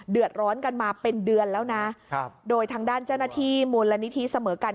เดือดร้อนกันมาเป็นเดือนแล้วนะครับโดยทางด้านเจ้าหน้าที่มูลนิธิเสมอกัน